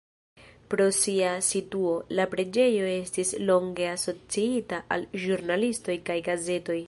Pro sia situo, la preĝejo estis longe asociita al ĵurnalistoj kaj gazetoj.